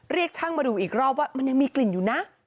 เรียกช่างมาดูอีกรอบว่ามันยังมีกลิ่นอยู่นะ